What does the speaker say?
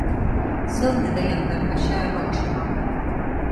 Сылне да яндар ача-аван шомак!